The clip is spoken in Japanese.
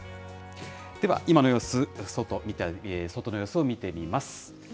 では、今の様子、外の様子を見てみます。